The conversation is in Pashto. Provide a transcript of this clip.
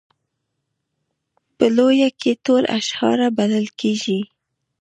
په لویه کې ټول اشاعره بلل کېږي.